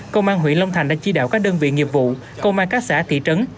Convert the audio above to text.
công an huyện long thành đã chỉ đạo các đơn vị nghiệp vụ công an các xã thị trấn